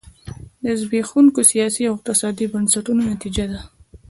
دا د زبېښونکو سیاسي او اقتصادي بنسټونو نتیجه ده.